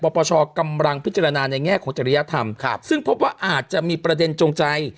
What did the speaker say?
ปปชกำลังพิจารณาในแง่ของจริยธรรมซึ่งพบว่าอาจจะมีประเด็นจงใจ